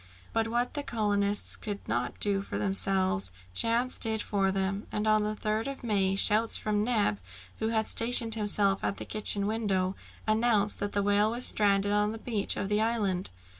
But what the colonists could not do for themselves, chance did for them, and on the 3rd of May, shouts from Neb, who had stationed himself at the kitchen window, announced that the whale was stranded on the beach of the island.